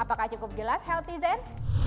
apakah cukup jelas healthy zen